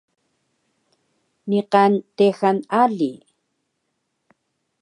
Niqan texal ali